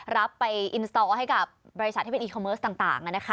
รับไปอินสตอให้กับบริษัทที่เป็นอีคอมเมิร์สต่าง